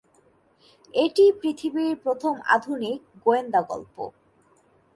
এটিই পৃথিবীর প্রথম আধুনিক গোয়েন্দা গল্প।